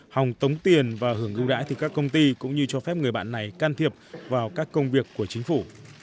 hòng tống tiền và hưởng ưu đãi thì các công ty cũng như cho phép người bạn này can thiệp vào các công việc của chính phủ